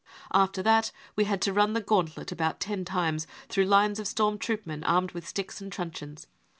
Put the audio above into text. ,.. After that we had to run the gauntlet about ten times through lines of storm troop men armed with sticks and truncheons.